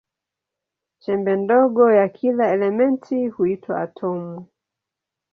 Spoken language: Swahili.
Chembe ndogo ya kila elementi huitwa atomu.